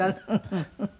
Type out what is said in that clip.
フフフフ！